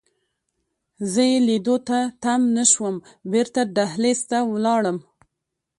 زه یې لیدو ته تم نه شوم، بیرته دهلېز ته ولاړم.